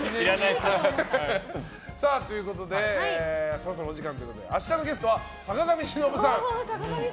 そろそろお時間ということで明日のゲストは坂上忍さん。